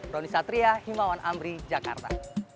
roni satria himawan amri jakarta